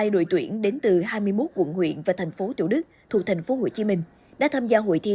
hai mươi đội tuyển đến từ hai mươi một quận huyện và thành phố chủ đức thuộc tp hcm đã tham gia hội thi